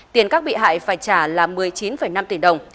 tiền các bị hại phải trả là một mươi chín năm tỷ đồng